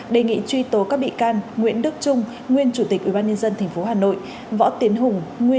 đề nghị truy tố các bị can nguyễn đức trung nguyên chủ tịch ubnd tp hà nội võ tiến hùng